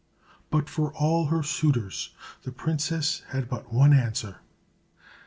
But for all her suitors the princess had but one answer.